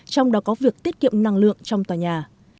trong đó có việc tiết kiệm năng lượng trong tòa nhà